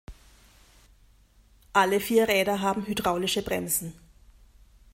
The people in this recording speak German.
Alle vier Räder haben hydraulische Bremsen.